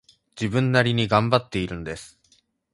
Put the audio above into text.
自分なりに頑張っているんです